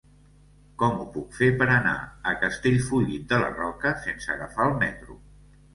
Com ho puc fer per anar a Castellfollit de la Roca sense agafar el metro?